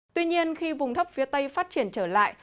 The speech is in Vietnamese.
tuy nhiên khi vùng thấp phía tây phát triển trở lại